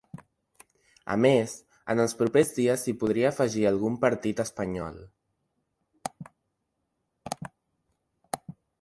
A més, en els propers dies s’hi podria afegir algun partit espanyol.